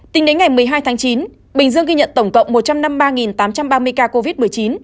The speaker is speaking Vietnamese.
tính đến ngày một mươi hai tháng chín bình dương ghi nhận tổng cộng một trăm năm mươi ba tám trăm ba mươi ca covid một mươi chín